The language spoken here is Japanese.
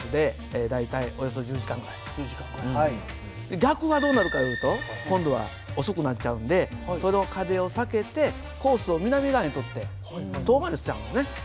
逆はどうなるかいうと今度は遅くなっちゃうんでその風を避けてコースを南側に取って遠回りしちゃうんだね。